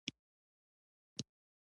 دوی وریجې کرل.